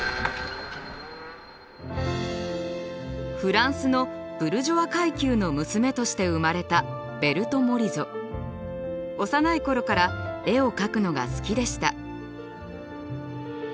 フランスのブルジョワ階級の娘として生まれた幼い頃から絵を描くのが好きでした。